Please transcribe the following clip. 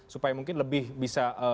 supaya mungkin lebih bisa